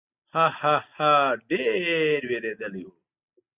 ها، ها، ها، ډېر وېرېدلی و.